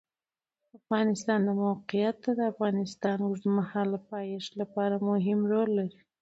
د افغانستان د موقعیت د افغانستان د اوږدمهاله پایښت لپاره مهم رول لري.